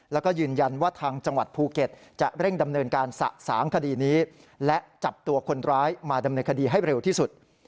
แล้วก็ยืนยันว่าทางจังหวัดภูเก็ตจะเร่งดำเนินการสะสางคดีนี้และจับตัวคนร้ายมาดำเนินคดีให้เร็วที่สุด